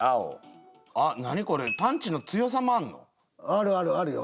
あるあるあるよ。